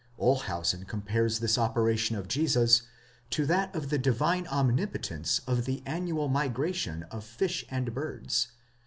Olshausen compares this operation of Jesus to that of the divine omnipotence in the annual migrations of fish and birds